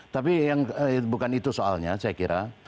tapi yang bukan itu soalnya saya kira